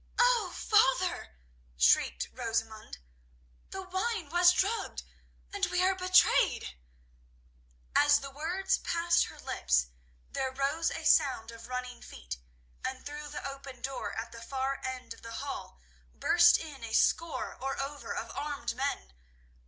"Oh, father," shrieked Rosamund, "the wine was drugged and we are betrayed!" As the words passed her lips there rose a sound of running feet, and through the open door at the far end of the hall burst in a score or over of armed men.